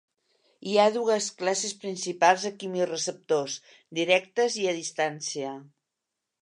Hi ha dues classes principals de quimioreceptors: directes i a distància.